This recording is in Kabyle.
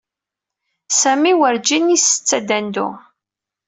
Sami werǧin isett adandu.